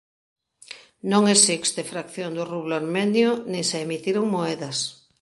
Non existe fracción do rublo armenio nin se emitiron moedas.